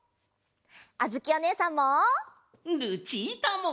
あづきおねえさんも！